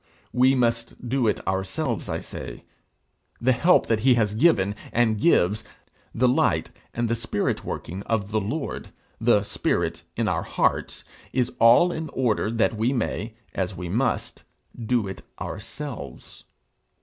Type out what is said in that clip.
We must do it ourselves, I say. The help that he has given and gives, the light and the spirit working of the Lord, the spirit, in our hearts, is all in order that we may, as we must, do it ourselves.